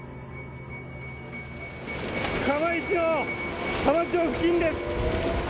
釜石の浜町付近です。